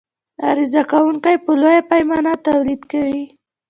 عرضه کوونکى په لویه پیمانه تولید کوي.